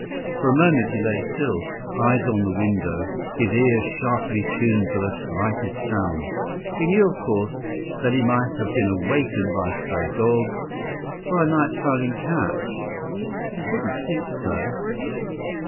For a moment he lay still, eyes on the window, his ears sharply tuned for the slightest sound. He knew, of course, that he might have been awakened by a stray dog, or a night prowling cat. But he didn't think so.